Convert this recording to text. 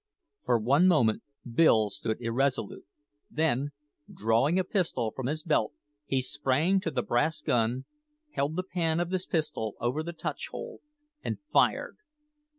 For one moment Bill stood irresolute. Then drawing a pistol from his belt, he sprang to the brass gun, held the pan of his pistol over the touch hole, and fired.